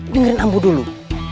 dengerin ambo dulu